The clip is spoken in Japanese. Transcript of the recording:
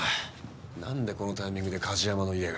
なんでこのタイミングで梶山の家が。